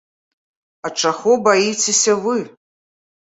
А чаго баіцеся вы?